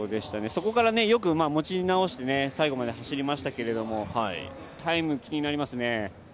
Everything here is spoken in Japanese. そこからよく持ち直して最後まで走りましたけれどもタイム気になりますね。